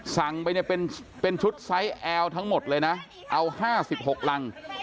สั่งไปเนี่ยเป็นชุดไซส์แอลทั้งหมดเลยนะเอา๕๖รัง